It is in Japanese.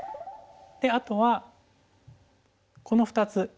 であとはこの２つ。